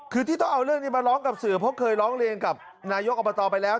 คือที่ต้องเอาเรื่องนี้มาร้องกับสื่อเพราะเคยร้องเรียนกับนายกอบตไปแล้ว